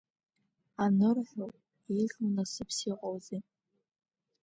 Анырҳәо, еиӷьу насыԥс иҟоузеи!